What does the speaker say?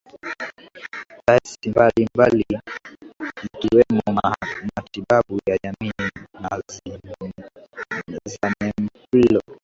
Taasi mbambali ikiwemo Matibabu ya jamii na Zanempilo